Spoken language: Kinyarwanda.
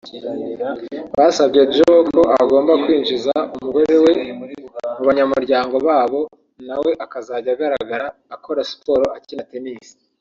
Basabye Joe ko agomba kwinjiza umugore we mu banyamuryango babo nawe akazajya agaragara akora siporo akina tennis